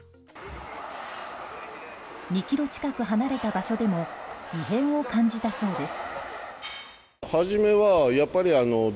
２ｋｍ近く離れた場所でも異変を感じたそうです。